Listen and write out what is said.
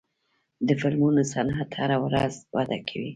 د فلمونو صنعت هره ورځ وده کوي.